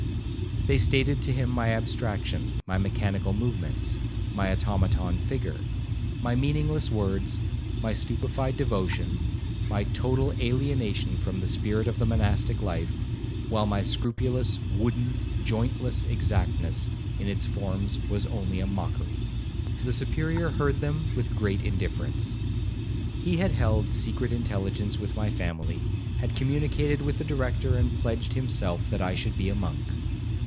They stated to him my abstraction, my mechanical movements, my automaton figure, my meaningless words, my stupified devotion, my total alienation from the spirit of the monastic life, while my scrupulous, wooden, jointless exactness in its forms was only a mockery. The Superior heard them with great indifference. He had held secret intelligence with my family, had communicated with the Director, and pledged himself that I should be a monk.